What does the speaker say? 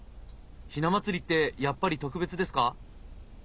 ひな祭りってやっぱり特別ですか？